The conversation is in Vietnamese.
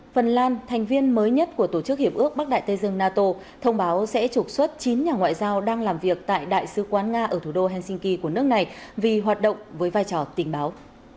phần lan thành viên mới nhất của tổ chức hiệp ước bắc đại tây dương nato thông báo sẽ trục xuất chín nhà ngoại giao đang làm việc tại đại sứ quán nga ở thủ đô helsinki của nước này vì hoạt động với vai trò tình báo